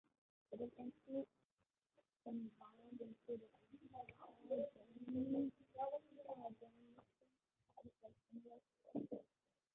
It eventually evolved into the Tardenoisian culture of similar characteristics.